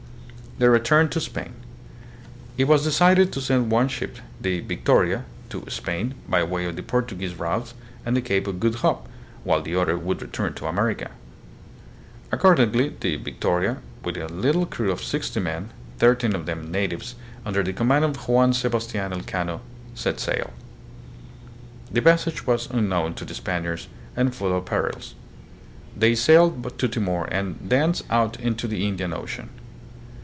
The Return to Spain. It was decided to send one ship, the "Victoria," to Spain by way of the Portuguese route and the Cape of Good Hope, while the other would return to America. Accordingly the "Victoria," with a little crew of sixty men, thirteen of them natives, under the command of Juan Sebastian Elcano, set sail. The passage was unknown to the Spaniards and full of perils. They sailed to Timor and thence out into the Indian Ocean.